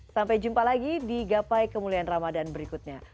sampai jumpa lagi di gapai kemuliaan ramadan berikutnya